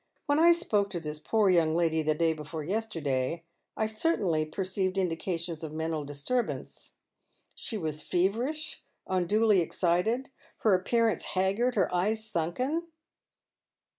When I spoke to this poor young lady the day before yesterday, I certainly perceived indications of mental disturbance. She was feverisli, unduly excited, her appearance haggard, her eyes sunken.